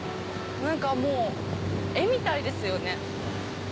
何かもう絵みたいですよね。